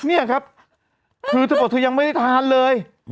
เนี่ยครับคือเธอบอกเธอยังไม่ได้ทานเลย